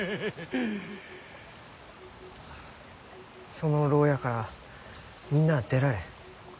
その牢屋からみんなあ出られん。